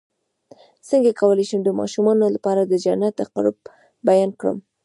څنګه کولی شم د ماشومانو لپاره د جنت د قرب بیان کړم